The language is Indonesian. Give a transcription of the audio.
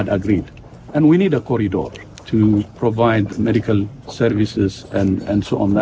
dan kita butuh sebuah koridor untuk memberikan perkhidmatan medis dan sebagainya